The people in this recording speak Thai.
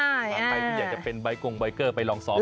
ถ้าใครอยากจะเป็นบริกองบริกเกอร์ไปลองซ้อนก่อน